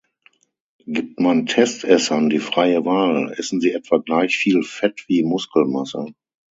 Gibt man Test-Essern die freie Wahl, essen sie etwa gleich viel Fett wie Muskelmasse.